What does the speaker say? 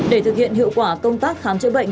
để thực hiện hiệu quả công tác khám chữa bệnh